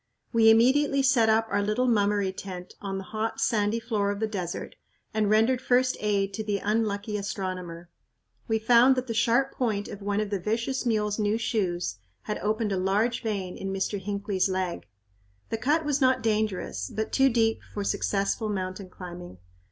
We immediately set up our little "Mummery" tent on the hot, sandy floor of the desert and rendered first aid to the unlucky astronomer. We found that the sharp point of one of the vicious mule's new shoes had opened a large vein in Mr. Hinckley's leg. The cut was not dangerous, but too deep for successful mountain climbing.